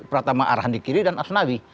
pertama arhandi kiri dan asnawi